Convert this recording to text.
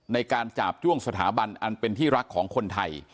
จาบจ้วงสถาบันอันเป็นที่รักของคนไทย